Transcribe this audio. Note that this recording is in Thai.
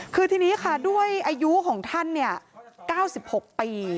คือทีนี้ค่ะด้วยอายุของท่าน๙๖ปี